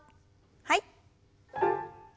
はい。